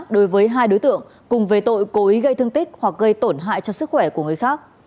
đối với hai đối tượng cùng về tội cố ý gây thương tích hoặc gây tổn hại cho sức khỏe của người khác